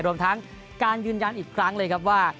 รวมทั้งการยืนยันอีกครั้งเลยครับว่า